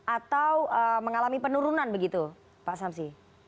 atau mengalami penurunan begitu pak samsi